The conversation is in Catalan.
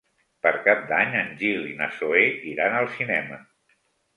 Per Cap d'Any en Gil i na Zoè iran al cinema.